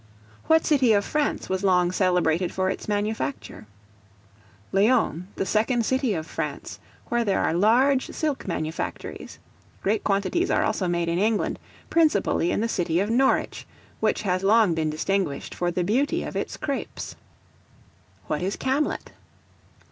What city of France was long celebrated for its manufacture? Lyons, the second city of France, where there are large silk manufactories. Great quantities are also made in England, principally in the city of Norwich, which has long been distinguished for the beauty of its crapes. What is Camlet?